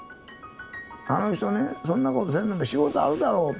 あの人ねそんなことせんでも仕事あるだろうと。